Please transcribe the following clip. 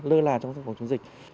lơ là trong phòng chống dịch